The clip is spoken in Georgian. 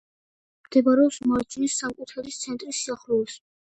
მდებარეობს მარჯნის სამკუთხედის ცენტრის სიახლოვეს.